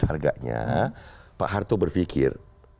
harganya pak harto berpikir